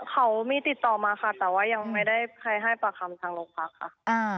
เขามีติดต่อมาค่ะแต่ว่ายังไม่ได้ใครให้ปากคำทางโรงพักค่ะ